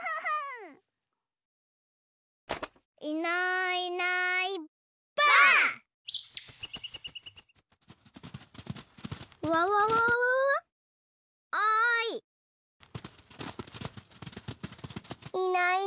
いないいない。